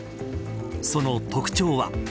その特徴は。